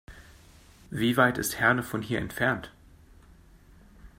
Wie weit ist Herne von hier entfernt?